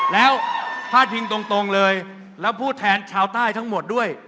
แล้วพาดพิงตรงเลยแล้วผู้แทนชาวใต้ทั้งหมดด้วย